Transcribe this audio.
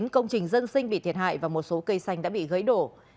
tám trăm linh chín công trình dân sinh bị thiệt hại và một số cây xanh đã bị gãy đổ